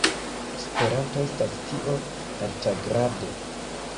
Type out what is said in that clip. Esperanto estas tio altagrade.